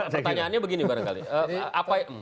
pertanyaannya begini barangkali